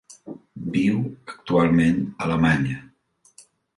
Viu actualment a Alemanya.